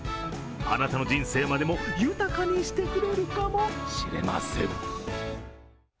あなたの人生までも豊かにしてくれるかもしれません。